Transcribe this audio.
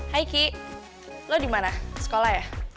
hai ki lo dimana sekolah ya